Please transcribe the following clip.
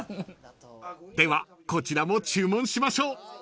［ではこちらも注文しましょう］